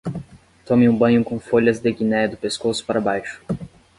Tome um banho com folhas de guiné do pescoço para baixo